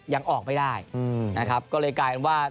ยังออกไม่ได้นะครับก็เลยกลายเป็นว่า